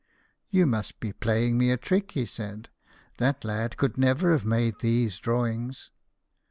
" You must be playing me a trick," he said ;" that lad could never have made these drawings."